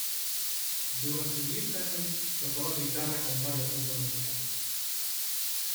Durante diez años tocó la guitarra con varios grupos musicales.